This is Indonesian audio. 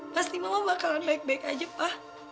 pasti mama bakalan baik baik aja pak